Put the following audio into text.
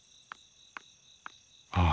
ああ。